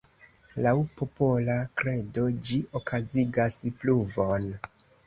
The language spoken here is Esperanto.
Laŭ popola kredo, ĝi okazigas pluvon.